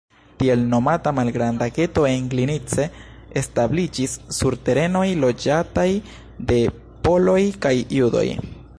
Tiel nomata malgranda geto en Glinice establiĝis sur terenoj loĝataj de poloj kaj judoj.